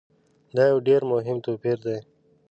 دا یو ډېر مهم توپیر دی.